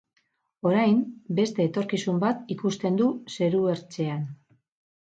Orain, beste etorkizun bat ikusten du zeruertzean.